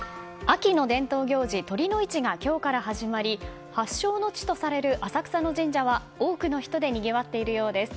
秋の伝統行事、酉の市が今日から始まり発祥の地とされる浅草の神社は多くの人でにぎわっているようです。